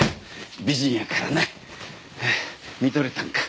美人やからな見とれたんか。